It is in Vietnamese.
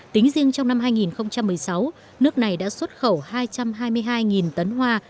tính riêng trong năm hai nghìn một mươi sáu nước này đã xuất khẩu hai trăm hai mươi hai tấn hoa